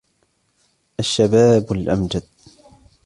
الشباب الأمجدُ